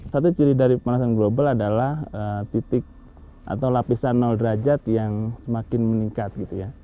satu ciri dari pemanasan global adalah titik atau lapisan nol derajat yang semakin meningkat